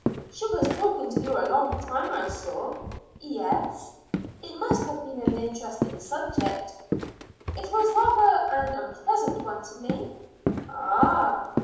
"She was talking to you a long time I saw." "Yes." "It must have been an interesting subject." "It was rather an unpleasant one to me." "Ah!"